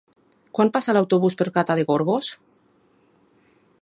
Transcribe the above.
Quan passa l'autobús per Gata de Gorgos?